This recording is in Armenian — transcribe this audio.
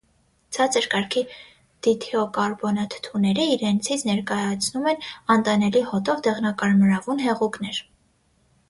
Ցածր կարգի դիթիոկարբոնաթթուները իրենցից ներկայացնում են անտանելի հոտով դեղնակարմրավուն հեղուկներ։